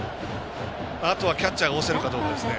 あとはキャッチャーが押せるかどうかですね。